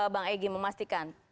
bang egy memastikan